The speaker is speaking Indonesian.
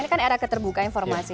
ini kan era keterbukaan informasi